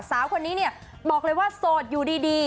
สาวคนนี้เนี่ยบอกเลยว่าโสดอยู่ดี